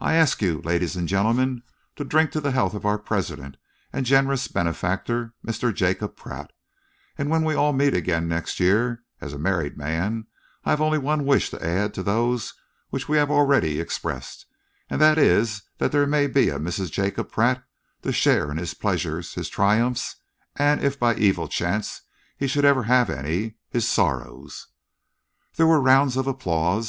"I ask you, ladies and gentlemen, to drink the health of our president and generous benefactor, Mr. Jacob Pratt, and when we all meet again next year, as a married man I have only one wish to add to those which we have already expressed, and that is that there may be a Mrs. Jacob Pratt to share in his pleasures, his triumphs, and, if by any evil chance he should ever have any, his sorrows." There were rounds of applause.